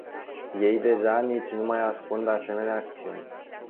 Ei deja nici nu mai ascund asemenea acțiuni.